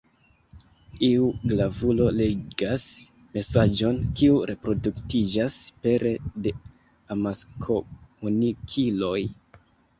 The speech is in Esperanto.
Iu gravulo legas mesaĝon, kiu reproduktiĝas pere de amaskomunikiloj.